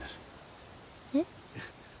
えっ？